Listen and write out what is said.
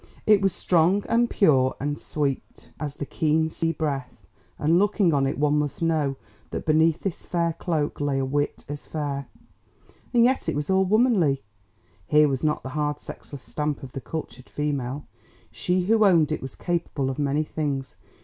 It was strong and pure and sweet as the keen sea breath, and looking on it one must know that beneath this fair cloak lay a wit as fair. And yet it was all womanly; here was not the hard sexless stamp of the "cultured" female. She who owned it was capable of many things.